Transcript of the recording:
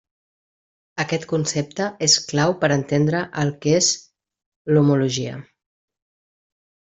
Aquest concepte és clau per entendre el que és l'homologia.